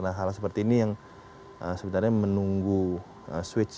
nah hal seperti ini yang sebenarnya menunggu switch